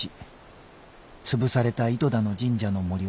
潰された糸田の神社の森は全滅。